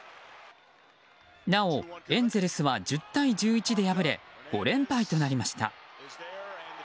なお、エンゼルスは１０対１１で敗れ５連敗となりました。